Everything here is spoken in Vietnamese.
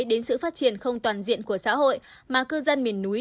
đến sự phát triển không toàn diện của xã hội mà cư dân miền núi